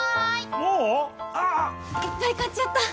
もう⁉ああ・・・いっぱい買っちゃった！